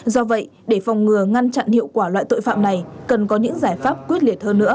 do vậy để phòng ngừa ngăn chặn hiệu quả loại tội phạm này cần có những giải pháp quyết liệt hơn nữa